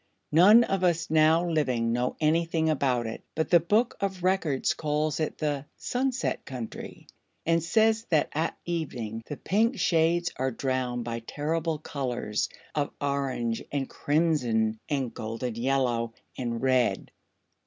"None of us now living know anything about it, but the Book of Records calls it the 'Sunset Country,' and says that at evening the pink shades are drowned by terrible colors of orange and crimson and golden yellow and red.